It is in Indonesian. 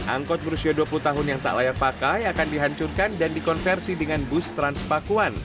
angkot berusia dua puluh tahun yang tak layak pakai akan dihancurkan dan dikonversi dengan bus transpakuan